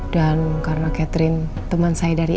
dan karena catherine temen saya dari sma